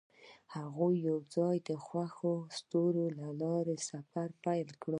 هغوی یوځای د خوښ ستوري له لارې سفر پیل کړ.